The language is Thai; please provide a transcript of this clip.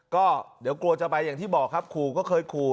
ก็เดี๋ยวกลัวจะไปอย่างที่บอกครับขู่ก็เคยขู่